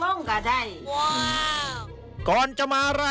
ผู้ใหญ่นี่กว่าคนจะจบคำ